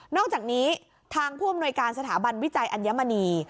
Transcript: อกจากนี้ทางผู้อำนวยการสถาบันวิจัยอัญมณี